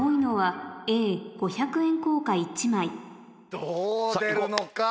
どう出るのか？